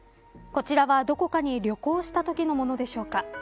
こちらはどこかに旅行したときのものでしょうか。